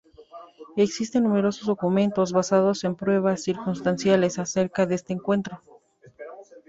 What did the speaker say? Existen numerosos documentos, basados en pruebas circunstanciales, acerca de este encuentro.